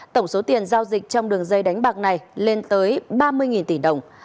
tổng số tiền giao dịch trong đường dây đánh bạc này lên tới ba mươi tỷ đồng